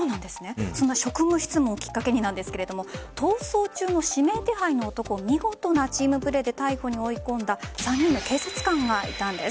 そんな職務質問をきっかけに逃走中の指名手配の男を見事なチームプレーで逮捕に追い込んだ３人の警察官がいたんです。